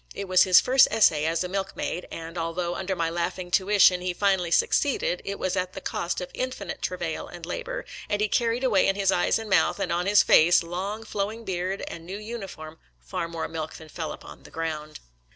It was his first essay as a milk maid, and, although under my laughing tuition he finally succeeded, it was at the cost of in finite travail and labor, and he carried away in his eyes and mouth, and on his face, long flowing beard, and new uniform far more milk than fell upon the ground.